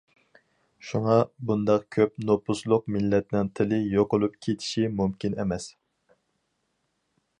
شۇڭا، بۇنداق كۆپ نوپۇسلۇق مىللەتنىڭ تىلى يوقىلىپ كېتىشى مۇمكىن ئەمەس.